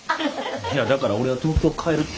いやだから俺は東京帰るて。